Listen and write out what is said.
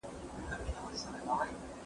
هغه وويل چي ږغ لوړ دی!